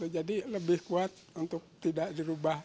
jadi lebih kuat untuk tidak dirubah